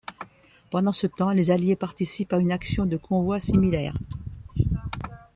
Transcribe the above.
Pendant ce temps, les Alliés participent à une action de convoi similaire.